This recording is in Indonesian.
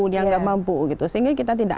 dia nggak mampu sehingga kita tidak